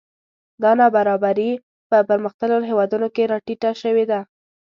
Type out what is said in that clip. دا نابرابري په پرمختللو هېوادونو کې راټیټه شوې ده